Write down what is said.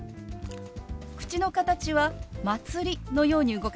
口の形は「まつり」のように動かします。